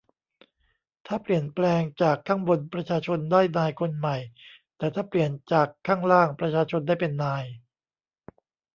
ถ้าเปลี่ยนแปลงจากข้างบน ประชาชนได้นายคนใหม่ แต่ถ้าเปลี่ยนจากข้างล่าง ประชาชนได้เป็นนาย